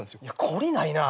懲りないなぁ。